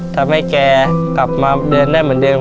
ทำให้แกกลับมาเดินได้เหมือนเดิม